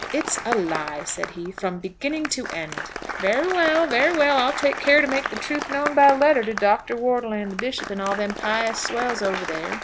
"It's a lie," said he, "from beginning to end." "Very well; very well. I'll take care to make the truth known by letter to Dr. Wortle and the Bishop and all them pious swells over there.